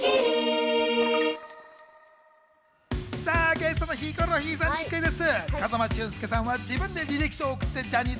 ゲストのヒコロヒーさんにクイズッス。